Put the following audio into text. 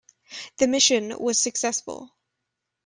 The mission was successful.